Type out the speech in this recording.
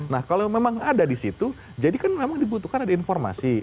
nah kalau memang ada di situ jadi kan memang dibutuhkan ada informasi